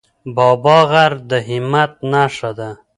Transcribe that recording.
بابا غر د همت نښه ده.